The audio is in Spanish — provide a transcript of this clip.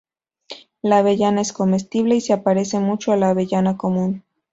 La avellana es comestible, y se parece mucho a la avellana común.